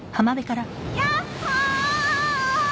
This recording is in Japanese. やっほーい！